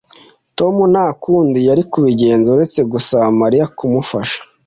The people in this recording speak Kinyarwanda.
Tom nta kundi yari kubigenza uretse gusaba Mariya kumufasha